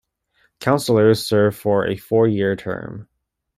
Councillors serve for a four-year term.